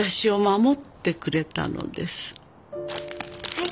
はい。